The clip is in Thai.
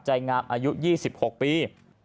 ใจงามอายุ๒๖ปี